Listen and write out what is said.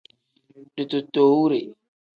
Ditootowure.